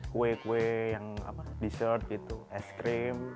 kue kue yang dessert gitu es krim